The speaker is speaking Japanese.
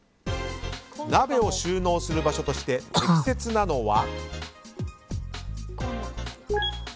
鍋を収納する場所として適切なのは。